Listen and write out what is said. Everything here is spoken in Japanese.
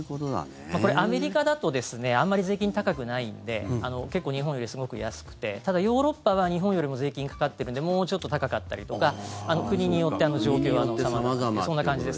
これ、アメリカだとあまり税金高くないんで結構日本よりすごく安くてただヨーロッパは日本よりも税金がかかっているのでもうちょっと高かったりとか国によって状況が様々。